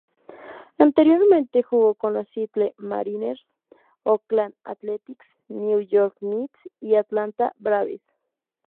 Anteriormente jugó con los Seattle Mariners, Oakland Athletics, New York Mets y Atlanta Braves.